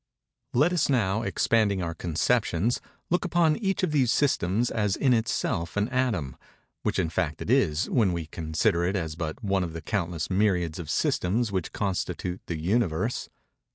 Let us now, expanding our conceptions, look upon each of these systems as in itself an atom; which in fact it is, when we consider it as but one of the countless myriads of systems which constitute the Universe.